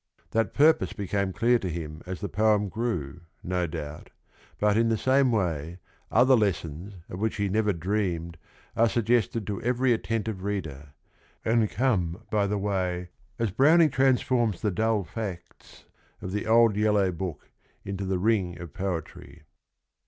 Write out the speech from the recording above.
That purpose became clear to him as the poem grew, no doubt, but in the same way other lessons of which he never dreamed are suggested to every attentive reader, and come by the way as Brown ing transforms the dull facts of the "old yellow book" into the ring of poetry.